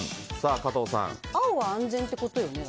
青は安全ってことよね。